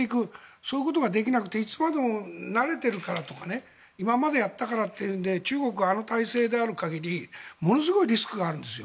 そういうことができなくていつまでも慣れてるからとか今までやってたからというので中国はあの体制である限りものすごいリスクがあるんです。